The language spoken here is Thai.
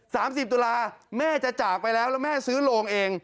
สามสิบตุลาแม่จะจากไปแล้วแล้วแม่ซื้อโรงเอง